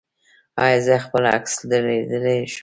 ایا زه خپل عکس درلیږلی شم؟